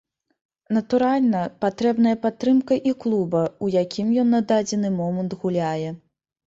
Натуральна, патрэбная падтрымка і клуба, у якім ён на дадзены момант гуляе.